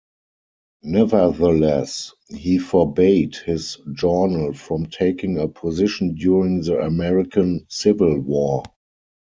Nevertheless, he forbade his journal from taking a position during the American Civil War.